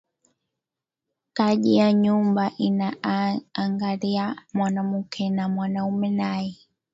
Kaji ya nyumba ina angariya mwanamuke na mwanaume naye